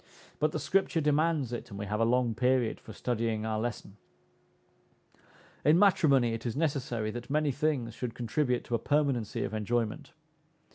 But the Scripture demands it, and we have a long period for studying our lesson. In matrimony it is necessary that many things should contribute to a permanency of enjoyment.